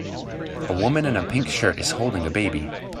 A woman in a pink skirt is holding a baby.